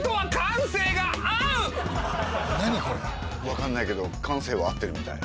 分かんないけど感性は合ってるみたい。